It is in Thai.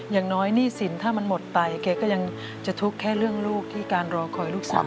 อย่างน้อยหนี้สินถ้ามันหมดไปแกก็ยังจะทุกข์แค่เรื่องลูกที่การรอคอยลูกสาว